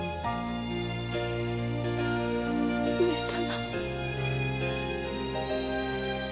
上様。